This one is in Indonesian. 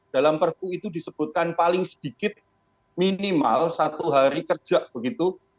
dalam perpu itu disebutkan paling sedikit minimal satu hari kerja begitu